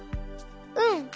うん。